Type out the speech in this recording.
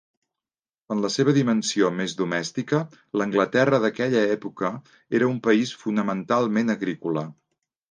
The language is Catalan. En la seva dimensió més domèstica, l'Anglaterra d'aquella època era un país fonamentalment agrícola.